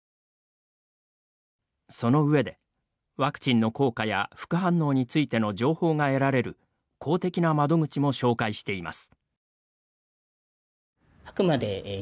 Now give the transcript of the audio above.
その上で、ワクチンの効果や副反応についての情報が得られる公的な窓口も紹介しています。